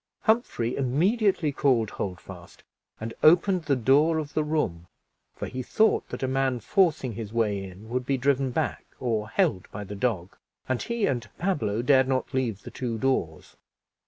Humphrey immediately called Holdfast and opened the door of the room, for he thought that a man forcing his way in would be driven back or held by the dog, and he and Pablo dared not leave the two doors.